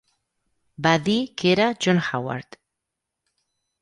Va dir que era John Howard.